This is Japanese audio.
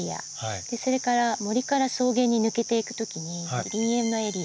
それから森から草原に抜けていくときに林縁のエリア。